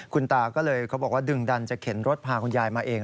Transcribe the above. คุณตาก็เลยเขาบอกว่าดึงดันจะเข็นรถพาคุณยายมาเอง